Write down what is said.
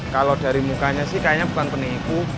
kalau dari mukanya sih kayaknya bukan penipu